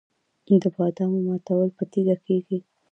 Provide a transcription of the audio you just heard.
د بادامو ماتول په تیږه کیږي.